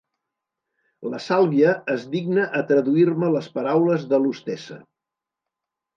La Sàlvia es digna a traduir-me les paraules de l'hostessa.